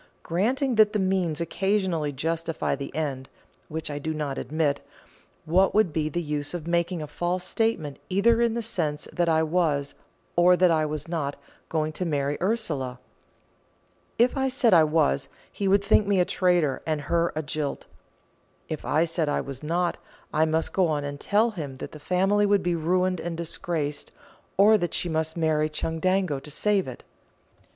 Granting that the means occasionally justify the end, which I do not admit, what would be the use of making a false statement either in the sense that I was, or that I was not, going to marry Ursula? If I said I was, he would think me a traitor and her a jilt; if I said I was not, I must go on and tell him that the family would be ruined and disgraced, or that she must marry Chundango to save it.